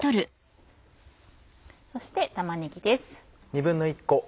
そして玉ねぎです。